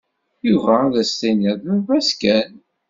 Yuba ad s-tiniḍ d baba-s kan.